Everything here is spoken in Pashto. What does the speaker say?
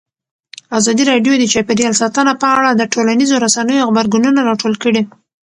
ازادي راډیو د چاپیریال ساتنه په اړه د ټولنیزو رسنیو غبرګونونه راټول کړي.